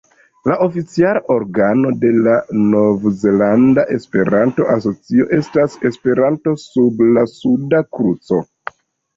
La oficiala organo de la Nov-Zelanda Esperanto-Asocio estas "Esperanto sub la Suda Kruco".